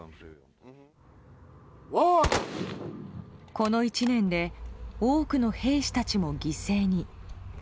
この１年で多くの兵士たちも犠牲に。